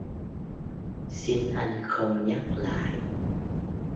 Xin anh không nhắc lại